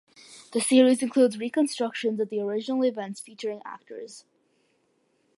The series includes reconstructions of the original events featuring actors.